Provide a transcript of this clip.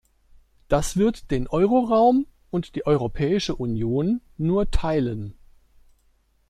Das wird den Euroraum und die Europäische Union nur teilen.